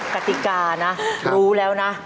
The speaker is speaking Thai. กติกานะรู้แล้วนะ